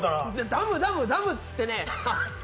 ダム、ダム、ダムっつってねｌ。